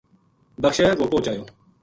بخشے وہ پوہچ آیو